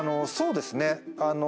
そうですね。